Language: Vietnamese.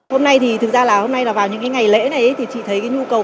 hôm nay thì thực ra là hôm nay là vào những cái ngày lễ này thì chị thấy cái nhu cầu